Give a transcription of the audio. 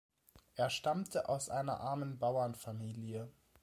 Er stammte aus einer armen Bauernfamilie.